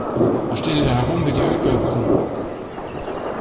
Was steht ihr da herum wie die Ölgötzen?